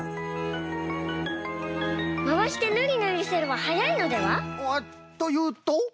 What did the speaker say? まわしてぬりぬりすればはやいのでは？というと？